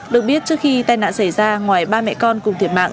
được biết trước khi tai nạn xảy ra ngoài ba mẹ con cùng thiệt mạng